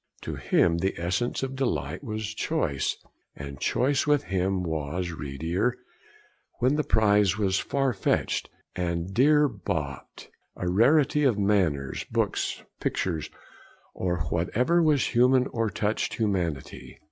To him the essence of delight was choice; and choice, with him, was readier when the prize was far fetched and dear bought: a rarity of manners, books, pictures, or whatever was human or touched humanity.